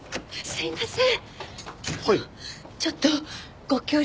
すいません